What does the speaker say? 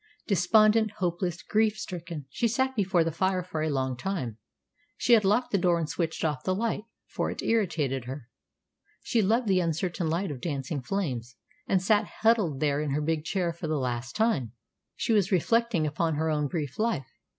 Despondent, hopeless, grief stricken, she sat before the fire for a long time. She had locked the door and switched off the light, for it irritated her. She loved the uncertain light of dancing flames, and sat huddled there in her big chair for the last time. She was reflecting upon her own brief life.